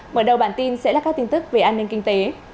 mở đầu bản tin sẽ là các tin tức về an ninh kinh tế